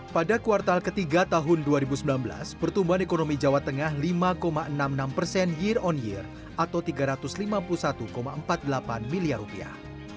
pada kuartal ketiga tahun dua ribu sembilan belas pertumbuhan ekonomi jawa tengah lima enam puluh enam persen year on year atau tiga ratus lima puluh satu empat puluh delapan miliar rupiah